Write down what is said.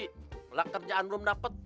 kalau kerjaan belum dapet